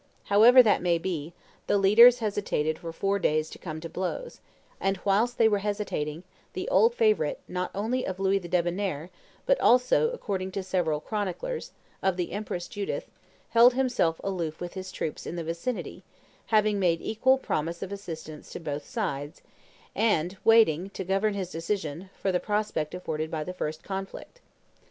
However that may be, the leaders hesitated for four days to come to blows; and whilst they were hesitating, the old favorite not only of Louis the Debonnair, but also, according to several chroniclers, of the Empress Judith, held himself aloof with his troops in the vicinity, having made equal promise of assistance to both sides, and waiting, to govern his decision, for the prospect afforded by the first conflict.